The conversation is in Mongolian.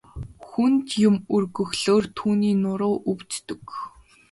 Хүнд юм өргөхлөөр түүний нуруу өвддөг.